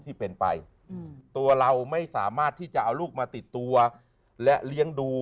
ที่เป็นไปตัวเราไม่สามารถที่จะเอาลูกมาติดตัวและเลี้ยงดู